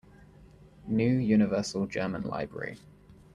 New Universal German Library